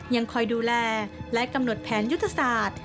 ยังคอยดูแลและกำหนดแผนยุทธศาสตร์